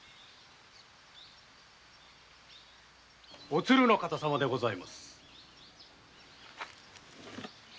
お鶴の方様にございます。